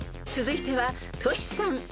［続いてはトシさん